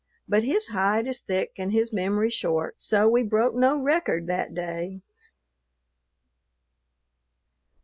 But his hide is thick and his memory short, so we broke no record that day.